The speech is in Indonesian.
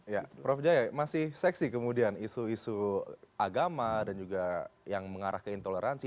ya prof jaya masih seksi kemudian isu isu agama dan juga yang mengarah ke intoleransi